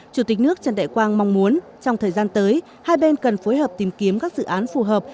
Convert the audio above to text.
chủ tịch nước trần đại quang mong muốn trong thời gian tới hai bên cần phối hợp tìm kiếm các dự án phù hợp